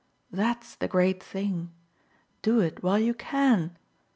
That's the great thing do it while you CAN.